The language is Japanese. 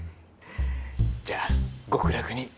じゃあ極楽に。